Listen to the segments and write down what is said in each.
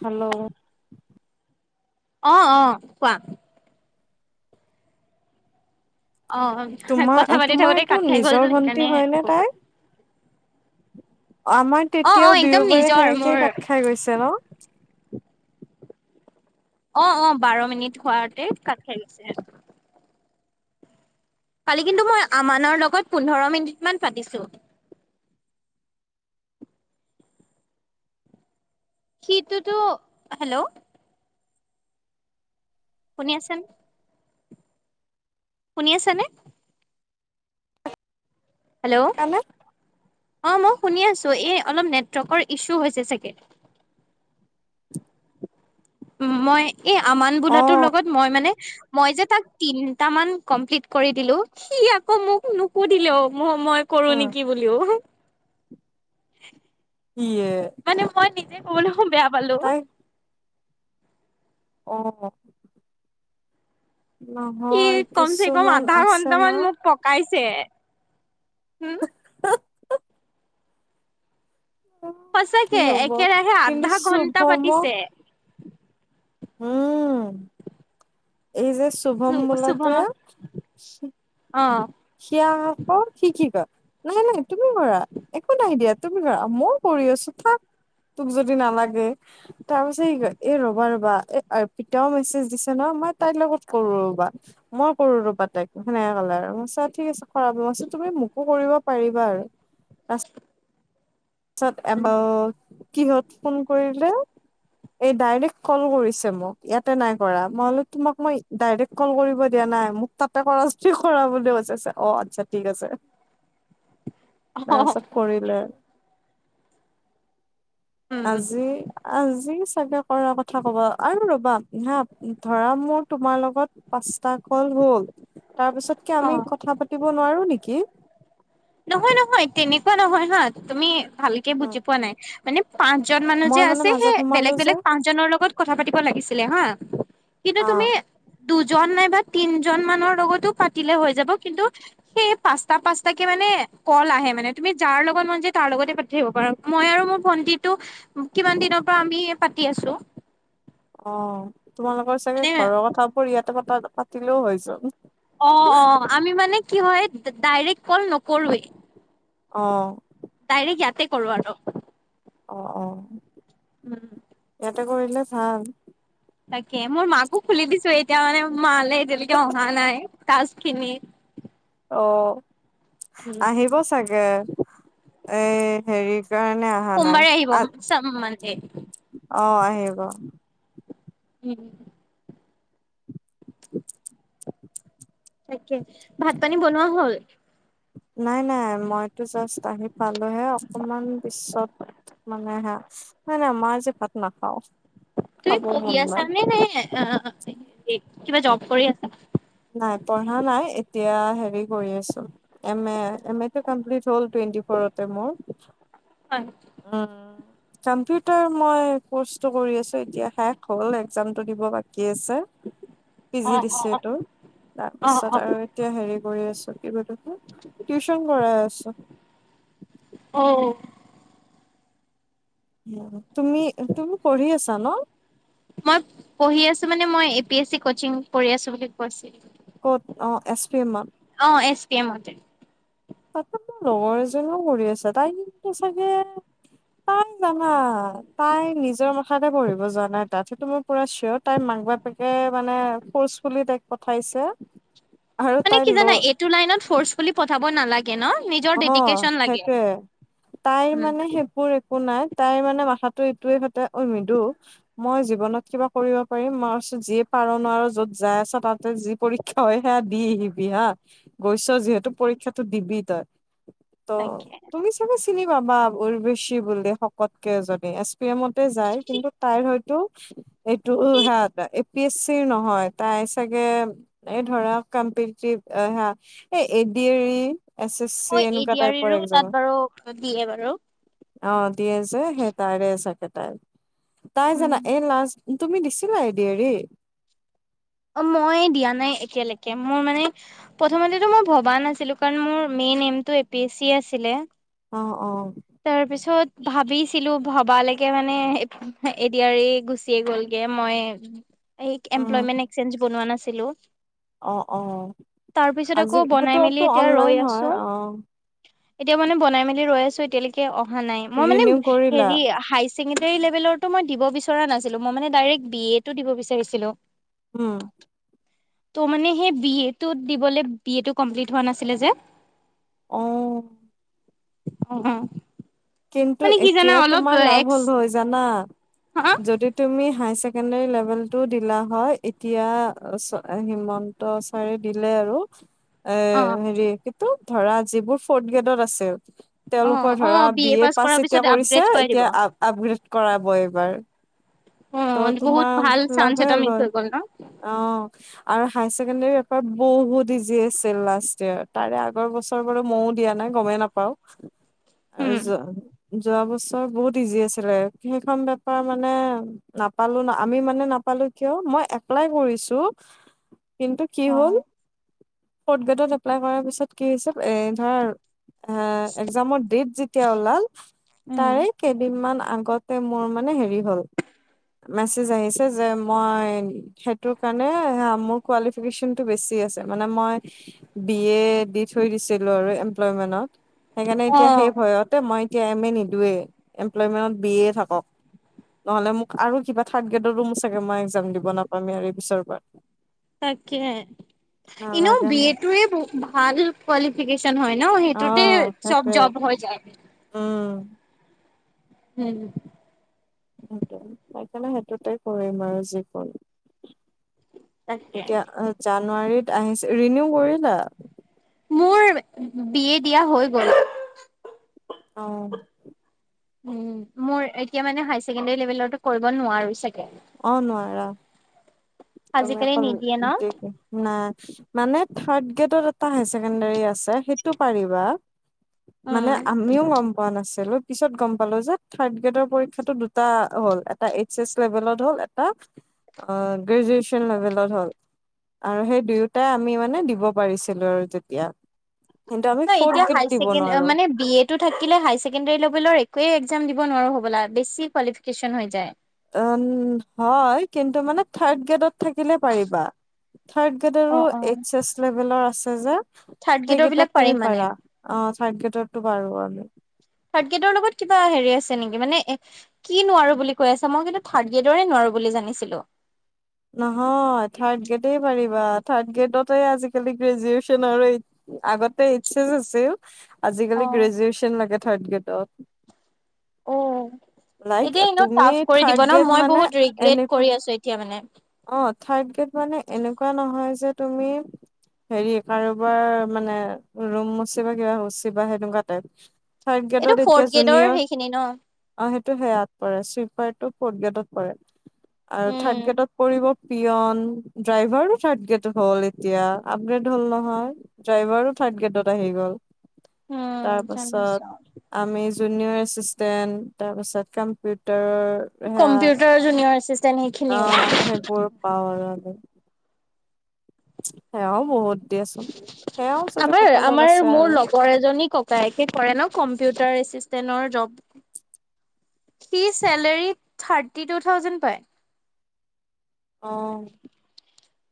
Hello. অ', অ কোৱা। অ তোমাৰ কথা পাতি তোমাৰ থাকোতে এইটো কাত খাই গলছ নিজৰ ভন্টি সেইকাৰণে হয়নে আকৌ তাই? আমাৰ অ অ তেতিয়াও একদম দুয়োবাৰে নিজৰ সেনেকেই মোৰ কাত খাই গৈছে ন অ' অ' বাৰ মিনিট হোৱাতে কাট খায় গৈছে। কালি কিন্তু মই আমানৰ লগত পোন্ধৰ মিনিট মান পাতিছো। সিটোতো হেল্ল'। শুনি আছোঁ নে? শুনি আছানে? হেল্ল'? কাৰণে অ' মই শুনি আছো, এই অলপ নেটৱৰ্কৰ ইছু হৈছে চাগে, উ' মই। এই আমান বোলাটোৰ অ', লগত মই মানে, মই যে তাক তিনটা মান কমপ্লিট কৰি দিলো, সি আকৌ মোক নুসুধিলেও। মুহ-মই কৰো উম, নেকি বুলিও। উ [unintelligible] কিয়ে [unintelligible] বেয়া পালো। অ' সি নহয় কম চে কম কিছুমান আধা আছে ন। ঘন্টামান মোক [unintelligible] [unintelligible] কি সঁচাকে হ'ব একেৰাহে কিন্তু আধা ঘন্টা শুভমক পাতিছে। উম এই যে শুভম বোলাতো এ শুভমক অ শিয় আক সি কি কয়, নাই নাই তুমি কৰা একো নাই দিয়া তুমি কৰা, মইও কৰি আছো কিয় তোক যদি নালাগে। তৰপিছত কি কৰে? এ ৰবা, ৰবা এ পিতাও মেছেজ দিছে ন' মই তাইৰ লগত কৰোঁ ৰবা। মই কৰোঁ ৰবা তাইক সেনেকে কলে। তাৰপিছত ঠিক আছে কৰাব, তুমি মোকো কৰিব পাৰিবা আৰু। পিছত এ কিহত ফোন কৰিলে? এই ডাইৰেক্ট কল কৰিছে মোক। ইয়াতে নাই কৰা। মই বোলো তোমাক মই ডাইৰেক্ট কল কৰিব দিয়া নাই, মোক তাতে কৰা যদি কৰা বুলি কৈছে। অ, আচ্ছা ঠিক আছে বুলি কৈছে। অ তাই চব কৰিলে উম উম আজি, আজি চাগে কৰা কথা কবা। আৰু ৰবা হা ধৰা মোৰ তোমাৰ লগত পাঁচটা কল হ'ল। তাৰপিছত কি অ আমি কথা পাতিব নোৱাৰো নেকি? কি? নহয়, নহয়। তেনেকুৱা নহয় হা, তুমি ভালকে বুজি পোৱা নাই। মানে। পাঁচ জন মানুহ যে মই মানে আছে সেই মাজত সোমালো বেলেগ যে বেলেগ পাঁচজনৰ লগত কথা পাতিব লাগিছিলে হা। কিন্তু অ তুমি দুধ। দুজন নাইবা তিনজন মানৰ লগতো পাতিলে হৈ যাব কিন্তু সেই পাঁচটা পাঁচ। কল আহে মানেতুমি যাৰ লগা মন তাৰে লগত পাতিব পাৰা মই মোৰ ভন্টিটো কিমান দিনৰ পৰা আমি পাতি আছোঁ। অ'। তোমালোকৰ চাগে ঘৰৰ কথা, পৰিয়ালৰ কথা পাতিলেও হৈ চোৱা! অ' অ' আমি মানে কি হয় ডাইৰেক্ট কল নকৰোৱে। অহ। ডাইৰেক্ট ইয়াতে কৰোঁ আৰু। অ', অ'। উম। এটা কৰিলে ভাল। তাকে মোৰ মাকো খুলি দিছো এতিয়া মানে মালে এতিয়ালৈকে অহা নাই তাজ খিনি। অহ। উম আহিব চাগে এ হেৰি কাৰণে অহা নাই সোমবাৰে আহিব আ চাম মানে অ' আহিব। উম', উম'। [unintelligible] তাকে ভাত পানী বনোৱা হ'ল নাই, নাই মই জাষ্ট আহি পালেহে। অকমান পিছত মানে না -না মই আজি ভাত নেখাও। তুমি পঢ়ি আছ নে- নে কিবা জব কৰি আছা। নাই পঢ়া নাই এতিয়া হেৰি কৰি আছো। এম এ এম এটো কমপ্লিট হ'ল। টুৱেটি ফৰতে মোৰ হয় উম ', কম্পিউটাৰ মই কৰ্চ। কৰি আছোঁ এতিয়া শেষ হ'লয়ে। এক্সামটো দিব বাকী কি আছে পি জি অ', দিছে তোৰ। অ', অ', তাৰপিছত আৰু এতিয়া হেৰি কৰি আছো। [unintelligible] টউশন কৰাই আছোঁ। অহ ', উম। তুমি, তুমি পঢ়ি আছ জান মই পঢ়ি আছোঁ মানে A P S C coaching কৰি আছোঁ বুলি। ক'ত অ' এছ পি এম ত। অহ ', এছ কে মতে তাত মোৰ লগৰ এজনীও পঢ়ি আছে। তাই কিন্তু চাগে তাই জানা তাই নিজৰ মথাৰে পঢ়িব যোৱা নাই তাত। সেইটো মোৰ পুৰা চিয়ৰ তাই মাক-বাপেকে মানে ফৰ্চফ কৰি তাইক পঠাইছে। আৰু মানে তাই কি ল জান এইটো লাইনত ফৰ্ছফুলী চাব নালাগে ন নিজৰ অহ, ডেডিকেচন লাগে। সেইটোৱে। তাইৰ উম, মানে সেইবোৰ একো নাই। তাইৰ মানে মাথাটো এইটোৱে খাতে। অই মিদু মই জীৱনত কিবা কৰিব পাৰিম। মই কৈছো যিয়ে পাৰ নোৱাৰ য'ত যাই আছ তাত যি পৰীক্ষা হয় সেয়া দি আহিবি হা। গৈছ যিহেতু পৰীক্ষাটো দিবি। তাত। ত তাকে তুমি চাগে। চিনি পাবা উৰবেশি বুলি, শকতকে এজনী। সেই মতে যায়। কিন্তু তাই হয়টো এইটো, এইটো হা তাই এ পি এছ চিৰ নহয়। তাই চাগে এই ধৰক কম্পিটটিভ হা। এ ডি এৰি, এচ এচ চি অহ ', এ এনেকুৱা টাইপৰ ডিয়াৰো এক্সাম তাত বাৰু দিয়ে বাৰু। অ, দিয়ে যে, সেই তাৰে আছে কেইটাই। তাই উম, জানা এই লাষ্ট। তুমি দিছিলা এ দি আৰ দি? অহ ', মই দিয়া নাই এতিয়ালৈকে মোৰ ম প্ৰথত মই ভবা নাছিলো কাৰ মোৰ মেই আছিল। অহ ', - অহ ', ভাবিছিলো ভবালৈকে মানে এদিআৰ গুচিয়ে গ'লগে মই। এই এম্প্লয়মেণ্ট। এক্সচেঞ্জ বনোৱা নাছিলো। অহ ', - অহ তাৰ পিছত ', আজি আকৌ বনাই মেলি সেইটোতো এতিয়া ৰৈ অনলাইন হয় আছো অহ ', এতিয়া মানে বনাই মেলি ৰৈ আছো এতিয়ালৈকে অহা অহা নাই মই মানে ৰিনিউ কৰিলা হেৰি। ছেকেণ্ডাৰী লেভেলৰটো মই দিব বিচ নাছিলো মই মানে বি এটো দিবি বিচাৰিছিলো। উম', তো মানে বি এড টো দিবলৈ বি এ টো কম্পিলিত হোৱা নাচিলে যে। অহ', উম ', আঁহ ', কিন্তু এতিয়া তোমাৰ লাভ হ'ল হয় জানা। হা যদি তুমি হাই। কেণ্ডী লেভেলটো দিলা হয় এতিয়া হিমন্ত ছাৰে দিলে আৰু এ অ হেৰি। ত ধৰা যিবোৰ ফৰ্থ গ্ৰেডত আছে। অ তেওঁলোকৰ অ ধৰা বি এ পাছ কৰাৰ এতিয়া পিছত কৰিছে, আপগ্ৰেড কৰাই এতিয়া দিব আ আপগ্ৰেড কৰাব এই বাৰু অ বহুত ভাল তোমাৰ চান্স লাভে এটা মিচ হয়, হৈ গ'ল ন অ। আৰু হায়াৰ ছেকেণ্ডৰী পেপাৰ বহুত ইজি আছিল লাষ্ট ইয়েৰ। তাৰে আগৰ বছৰ বাৰু মইও দিয়া নাই গমেই নাপাও। আৰু উম য যোৱা বছৰ বহুত ইজি আছিলে। সেইখন পেপাৰ মানে নাপালো আমি মানে নাপালো কিয় মই এপ্লাই কৰিছো কিন্তু কি অ হ'ল ফৰ্থ গ্ৰেডত এপ্লাই কৰাৰ পিছত কি হৈছে, এ ধৰা হা একযামৰ ডেট যে কেতিয়া ওলাল উম। তাৰে কেইদিনমান আগতে মোৰ মান হেৰি হ'ল মেচেজ আহিছে, যে মই সেইটো কাৰণে আহ মোৰ কোৱালীফ্ৰিকেচন বেছি আছে। মানে মই বি এ দি থৈ দিছিলোঁ আৰু এমপ্লয়মেন্ত সেইকাৰণে, এতিয়া অ', সেই ভয়ত মই এতিয়া এম এ নিদোয়ে, এমপ্লয়মেন্টত বি এ থাকক নহ'লে মোক আৰু কিবা থ্ৰাৰ্ড গ্ৰেডৰ মোৰ চাগে মই এক্সাম দিব নাপামে আৰু পিছৰপৰা। তাকে ইনেও নালাগে বি এ মোক টোৱে ভাল কোৱালিফিকেশ্যন হয়। ন অ সেইটোতে চ'ব সেইটোৱে জব্দ হৈ যায়। উম উম। সেইটোৱে, সেইকাৰণে সেইটোতে কৰিম আৰু যিকন তাকে এতিয়া অ' জান জানুৱাৰীত আহিছে ৰিনিউ কৰি না মোৰ বি এ দিয়া হৈ গ'ল। অহ' উম, মোৰ এতিয়া মানে হাই ছেকেণ্ডাৰী লেভেলোটো কৰিব নোৱাৰোঁ চাগে অহ' নোৱাৰা। তুমি আজিকালি অকন নিদিয়ে ন দিগ না মানে থ্ৰাৰ্ড গ্ৰেডত এটা হায় ছেকেণ্ডাৰী আছে, সেইটো পাৰিবা। মানে উম আমিও গম পোৱা নাছিলোঁ। পিছত গম পালো যে থাৰ্ড গ্ৰেডৰ পৰীক্ষাটো দুটা হ'ল এটা এইচ এচ লেভেলত হ'ল এটা গ্ৰেজুৱেচন লেভেলত হ'ল আৰু সেই দুয়োটাই আমি মানে দিব পাৰিছিলো আৰু তেতিয়া। কিন্তু আমি ন ফৰ্থ এতিয়া গ্ৰেড দিব নোৱাৰো মানে বি এ টো থাকিলে হাই ছেকেণ্ডী লেভেলৰ একোৱে একযাম দিব নোৱাৰো হ'বলা, বেছি কোৱালিফিকেশন হৈ যায়। উ হয় কিন্তু মানে থাৰ্ড গ্ৰেডত থাকিলে পাৰিবা থাৰ্ড অ গেডৰো অ এছ এইচ লেভেলৰ আছে [unintelligible] থাৰ্ড গ্ৰেডৰ সেইকেইটাত বিলাক তুমি পাৰিম মানে পাৰা, অ' থাৰ্ড গেডৰো টো পাৰো কাৰণে। থাৰ্ড গ্ৰেডৰ লগত কিবা হেৰি আছে নেকি মানে কি নোৱাৰো বুলি কৈ আছে মই কিন্তু থাৰ্ড ইয়েডৰে নোৱাৰো বুলি জানিছিলো নহয় থাৰ্ড গ্ৰেড পাৰিবা থাৰ্ড গ্ৰেডতে আজিকালি গ্ৰেজুৱচনৰ এই আগতে এইচ আছিল আজিকালি অ', গ্ৰেজুৱেচন লাগে থাডগেট অঁ এতিয়া ইনো টাফ কৰি থাৰ্ড দিব ন গ্ৰেড মই মানে বহুত ৰিগ্ৰেট কৰি আছো এতিয়া মানে। অঁ থাৰ্ড গেড মানে এনেকুৱা নহয় যে তুমি হেৰি কাৰোবাৰ মানে ৰুম মচি বা কিবাচ বা সেনেকুৱা টাইপ থাৰ্ড এইটো গ্ৰেডত এতিয়া ফৰ্থ গেডৰ জুনিয়ৰ সেইখিনি ন অ [inaudible] সেইটো সেয়াত পৰে চুইপাৰ টো ফৰ্টগেটত পৰে আৰু উম, থাডগেডত কৰিব পিয়ন ড্ৰাইভাৰ থাৰ্ড গ্ৰেড হল এতিয়া আপগ্ৰেড হল নহয় ড্ৰাইভাৰো থাৰড গ্ৰেডত আহি গ'ল উম, তাৰ পাছত জানিছো। আমি জুনিয়ৰ এচিষ্টেণ্ট তাৰপাছত কম্পিউটাৰৰ কম্পিউটাৰু অঁ সেইবোৰ পাওঁ আৰু আৰু হেয়াও বহুত দিয়াচোন সেয়াও যদি আমাৰ কপালত আমাৰ আছে মোৰ আৰু লগৰ এজনী ককায়েকে কৰে ন কম্পিউটাৰ সি চেলেৰি ঠাটি দু ঠাউজেন পায় অঁ'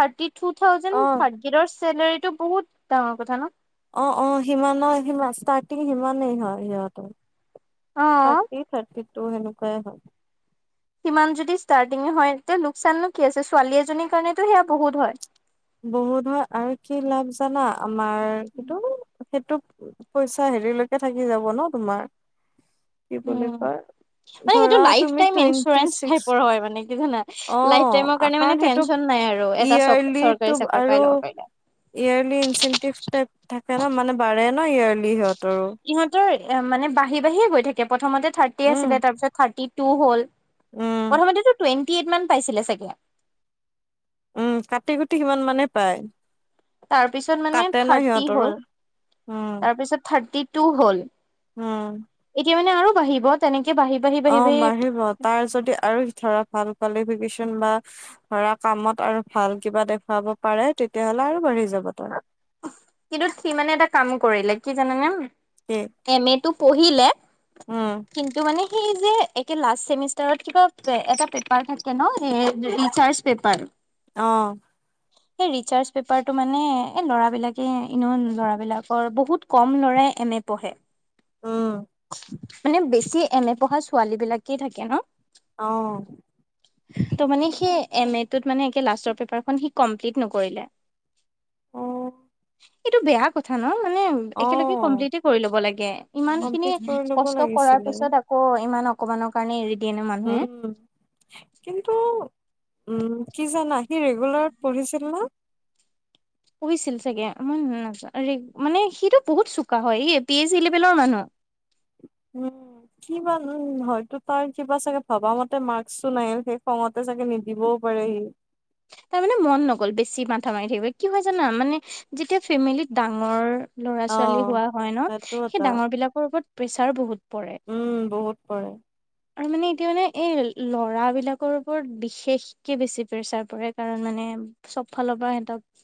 থাৰ্টি টু থাউজেণ্ড থাৰ্দ গ্ৰেদৰ চেলাৰীটো বহুত ডাঙৰ কথা ন। অঁ অঁ সিমানৰ সি মাষ্টাৰ্টিং সিমানেই হয় সিহঁতৰ অ', থাৰটি থাৰটি, সেইতো সেনেকুৱাই হ'ব সিমান যদি ষ্টাৰ্টটিং এ হৈ তেতিয়া লোকচাননো কি আছে ছোৱালী এজনীৰ কাৰণেইতো সেয়াই বহুত হয়। বহু হয় আৰু কি লাভ জানা আমাৰ কিটো সেইটো পইচা হেৰিলৈকে থাকি যাব ন তোমাৰ কি বুলি উম, কয় মানে সেই ধৰা তো লাইফ তুমি টাইমৰ লৈকে টুৱেন্টি ইঞ্চুৰেঞ্চ ছিক্স টাইপৰ হয় মানে কি জানা, অ মানে কাৰণ সেইটো টেনচন হয় আৰু [unintelligible] চাকৰি পাই আৰু, ল'ব পাৰিলে। ইয়াৰলি ইনচেটিভ থাকে ন মানে় ন ইয়াৰলি সিহঁতৰো। এ মান বাঢ়ি বাঢ়িয়ে গৈ থাকে প্ৰথমতে থাৰ্টি উম আছিল তাৰপিছত থাৰ্টি। টু হ'ল উম প্ৰথমতে তো টুইণ্টি এটামান পাইছিলে চাগে উম, কাটি কুটি সিমান মানে পায়। তাৰপিছত মানে কাটে ন থাৰ্টি সিহঁতৰো হ'ল, উম তাৰপিছত থাৰ্টি টো হ'ল। উম। এতিয়া মানে আৰু বাঢ়িব তেনেক অ, মাৰিব তাৰ যদি আৰু ধৰাক ভাল কোৱালফিকেশ্বন বা ধৰা কামত আৰু ভাল কিবা দেখুৱাব পাৰে তেতিয়ালে আৰু বাঢ়ি যাব তাৰ কিন্তু সি মানে এটা কাম কৰিলে, কি জানানে? কি এম এ টো পঢ়িলে উম কিন্তু মানে সি যে, একে লাষ্ট ছেমিষ্টাৰাত কিবা, এটা পেপাৰ থাকে ন, এ ৰিচাৰ্জ পেপাৰ। অ। এই ৰিচাৰ্চ পেপাৰ টো মানে এই ল'ৰাবিলাক এনেও ল'ৰাবিলাকে বহুত কম ল'ৰাই এম এ পঢ়ে উম মানে বেছি এম এ পঢ়া ছোৱালী বিলাকেই থাকে ন অ ত মানে সেই এম এটোত মানে লাষ্টৰ পেপাৰখন সি কমপ্লিট নকৰিলে অ এইটো বেয়া কথা অ মানে অ একেলগে কমপ্লিটে কৰি লব লাগে, ইমান খিনি কমপ্লিট কৰি ল'ব কষ্ট কৰাৰ লাগিছিলে পিছত আকৌ ইমান অকমাণৰ কাৰণে এ উম কিন্তু উম, কি জানা, সি ৰেগুলাৰত পঢ়িছিল নহয়। পঢ়িছিল চাগে মই ন মানে সিটো বহুত চোকা হয় এই পি এইচি লেভেলৰ মানুহ। উম, কি বা হয়তো তাৰ কিবা চাগে ভবা মতে মাস্কও নাহিল, সেই খঙতে চাগে নিদিবও পাৰে সি। তাৰ মানে মন নগ'ল বেছি মাথা মাৰি থাকিব কি হয় জানা মানে যেতিয়া ফেমিলিত ডাঙৰ ল'ৰা অ ছোৱালী হোৱা হয় ন সেইটো এটা সেই ডাঙৰ বিলাকৰ ওপৰত প্ৰেচাৰ বহুত পৰে উম বহুত পৰে আৰু মানে এতিয়া মানে এই ল'ৰাবিলাক ওপৰত বিশেষকে বেছি প্ৰেছাৰ পৰে কাৰণ মানে চব ফালৰ পৰা সিহঁতক